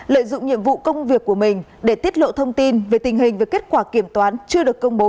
lợi dụng nhiệm vụ công việc của mình để tiết lộ thông tin về tình hình và kết quả kiểm toán chưa được công bố